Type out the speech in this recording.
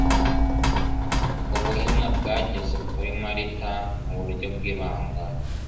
Ubuhimwa bwageze kuri Marita mu buryo bw'ibanga;